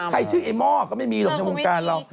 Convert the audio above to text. ชื่อไอ้หม้อก็ไม่มีหรอกในวงการเรา